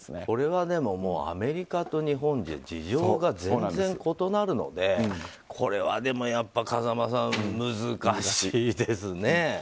これはアメリカと日本じゃ事情が全然異なるのでこれはでも、やっぱり風間さん難しいですね。